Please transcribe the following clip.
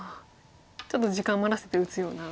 ちょっと時間余らせて打つような。